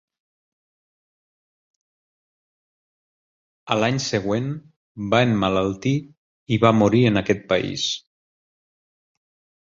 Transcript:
A l'any següent, va emmalaltir i va morir en aquest país.